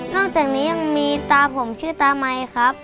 อกจากนี้ยังมีตาผมชื่อตามัยครับ